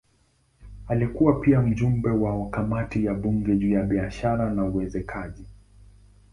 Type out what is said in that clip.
Alikuwa pia mjumbe wa kamati ya bunge juu ya biashara na uwekezaji.